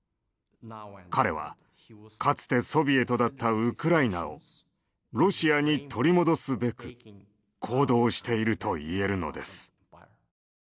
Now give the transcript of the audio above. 彼はかつてソビエトだったウクライナをロシアに取り戻すべく行動しているといえるのです。